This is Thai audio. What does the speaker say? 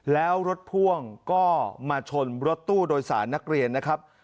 แล้วรถพ่วงก็มาชนรถตู้โดยสารนักเรียนนะครับ